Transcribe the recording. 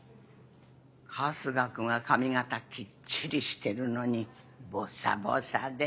春日君は髪形きっちりしてるのにボサボサで。